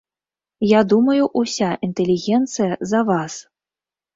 Я думаю ўся інтэлігенцыя за вас!